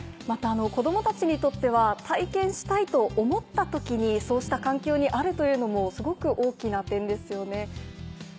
また子供たちにとっては体験したいと思った時にそうした環境にあるというのもすごく大きな点ですよね。